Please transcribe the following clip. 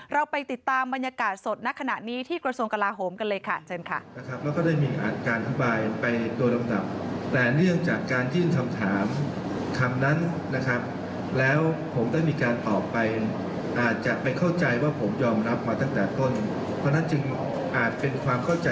เราไปติดตามบรรยากาศสดณขณะนี้ที่กระทรวงกลาโหมกันเลยค่ะเชิญค่ะ